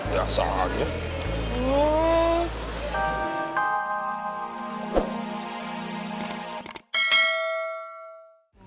hah gak salah aja